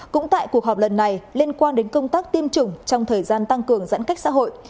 cũng tại cuộc họp lần này liên quan đến công tác tiêm chủng trong thời gian tăng cường giãn cách xã hội